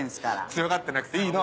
強がってなくていいの。